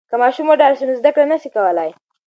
که ماشوم وډار سي نو زده کړه نسي کولای.